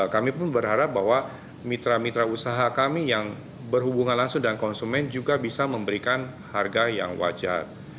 kami pun berharap bahwa mitra mitra usaha kami yang berhubungan langsung dengan konsumen juga bisa memberikan harga yang wajar